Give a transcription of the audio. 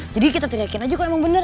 jadi kita teriakin aja kok emang bener